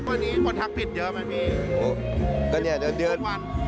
วันนี้คนทักผิดเยอะมากมายมีโอ้ตอนเนี้ยเดินเดินวัน